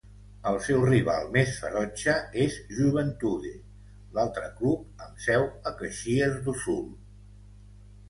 El seu rival més ferotge és Juventude, l'altre club amb seu a Caxias do Sul.